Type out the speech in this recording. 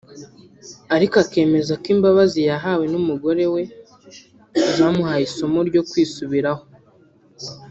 ariko akemeza ko imbabazi yahawe n’umugore we zamuhaye isomo ryo kwisubiraho